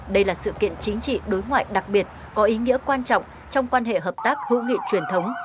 đây là sự kiện chính trị đối ngoại đặc biệt có ý nghĩa quan trọng trong quan hệ hợp tác hữu nghị truyền thống